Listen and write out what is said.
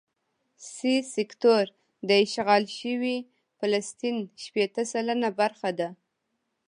سي سیکټور د اشغال شوي فلسطین شپېته سلنه برخه ده.